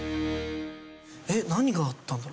えっ何があったんだろう？